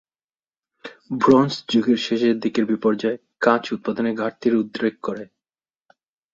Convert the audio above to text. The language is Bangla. ব্রোঞ্জ যুগের শেষের দিকের বিপর্যয় কাচ উৎপাদনে ঘাটতির উদ্রেক করে।